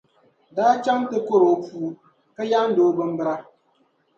daa chaŋ n ti kɔri o puu, ka yaɣindi o bimbira.